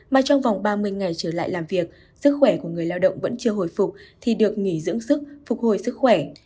mà trong vòng ba mươi ngày trở lại làm việc sức khỏe của người lao động vẫn chưa hồi phục thì được nghỉ dưỡng sức phục hồi sức khỏe